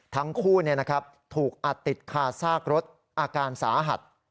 ทั้งคู่ถูกอัดติดคาซากรถอาการสาหัส